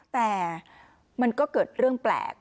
แต่มันก็เกิดเรื่องแปลก